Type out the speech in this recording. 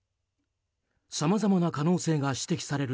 さまざまな可能性が指摘される